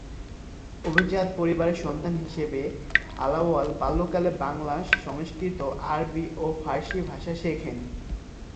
অভিজাত পরিবারের সন্তান হিসেবে আলাওল বাল্যকালে বাংলা, সংস্কৃত, আরবি ও ফারসি ভাষা শেখেন।